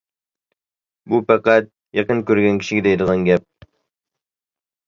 بۇ پەقەت يېقىن كۆرگەن كىشىگە دەيدىغان گەپ.